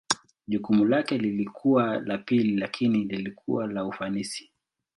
Jukumu lake lilikuwa la pili lakini lilikuwa na ufanisi.